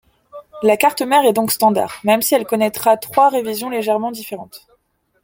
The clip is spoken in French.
La carte mère est donc standard, même si elle connaitra trois révisions légèrement différentes.